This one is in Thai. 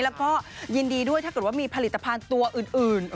แล้วก็ยินดีด้วยถ้าเกิดว่ามีผลิตภัณฑ์ตัวอื่น